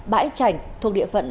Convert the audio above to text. bãi chảnh thuộc địa phận